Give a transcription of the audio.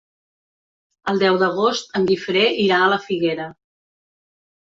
El deu d'agost en Guifré irà a la Figuera.